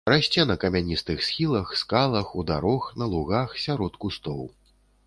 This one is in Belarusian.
Расце на камяністых схілах, скалах, у дарог, на лугах, сярод кустоў.